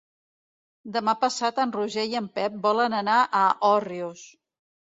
Demà passat en Roger i en Pep volen anar a Òrrius.